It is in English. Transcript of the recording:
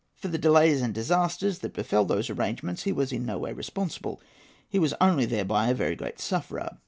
For the delays and disasters that befel those arrangements he was in no way responsible: he was only thereby a very great sufferer.